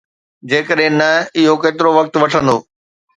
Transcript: جيڪڏهن نه، اهو ڪيترو وقت وٺندو ؟؟